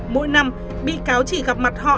mỗi năm bị cáo chỉ gặp mặt họ